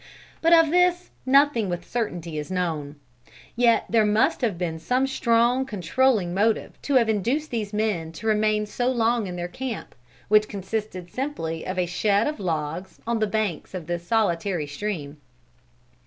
But of this nothing with certainty is known. Yet there must have been some strong controlling motive to have induced these men to remain so long in their camp, which consisted simply of a shed of logs, on the banks of this solitary stream.